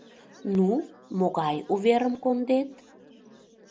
Ну, могай уверым кондет?